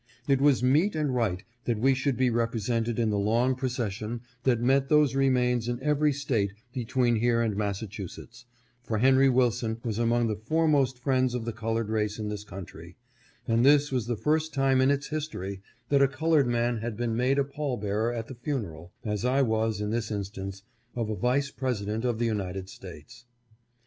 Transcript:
It was meet and right that we should be represented in the long procession that met those remains in every State between here and Massachusetts, for Henry Wilson was among the fore most friends of the colored race in this country, and this was the first time in its history that a colored man had been made a pall bearer at the funeral, as I was in this instance, of a Vice President of the United States.